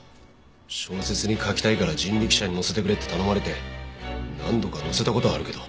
小説に書きたいから人力車に乗せてくれって頼まれて何度か乗せた事はあるけど。